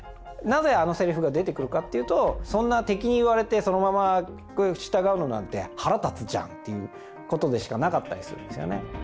なぜあのセリフが出てくるかというと「そんな敵に言われてそのまま従うのなんて腹立つじゃん！」ということでしかなかったりするんですよね。